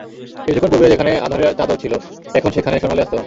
কিছুক্ষণ পূর্বে যেখানে আঁধারের চাদর ছিল এখন সেখানে সোনালী আস্তরণ।